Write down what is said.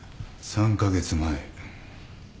３カ月前。